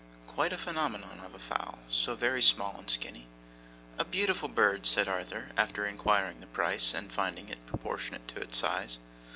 Quite a phenomenon of a fowl. So very small and skinny. 'A beautiful bird!' said Arthur, after inquiring the price, and finding it proportionate to the size.